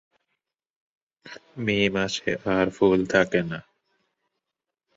মে মাসের পর আর ফুল থাকে না।